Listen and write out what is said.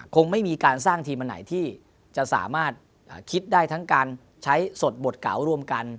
คงไม่มีการสร้างทีมอันไหนที่จะสามารถคิดได้ทั้งการใช้สดบทเก่ารวมกัน